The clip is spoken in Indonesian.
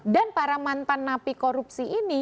dan para mantan napi korupsi ini